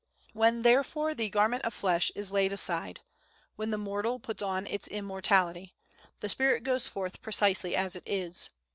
When, therefore, the garment of flesh is laid aside, when the mortal puts on its immortality, the spirit goes forth precisely as it is.